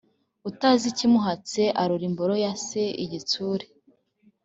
Utazi ikimuhatse arora imboro ya se igitsure.